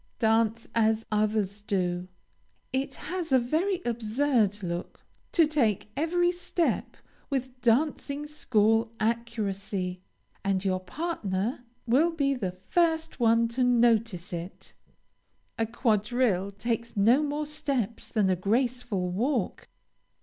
Dance as others do. It has a very absurd look to take every step with dancing school accuracy, and your partner will be the first one to notice it. A quadrille takes no more steps than a graceful walk.